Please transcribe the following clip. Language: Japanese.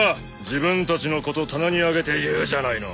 自分たちのこと棚に上げて言うじゃないの。